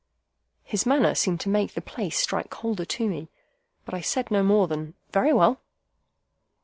His manner seemed to make the place strike colder to me, but I said no more than, "Very well."